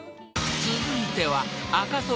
［続いては］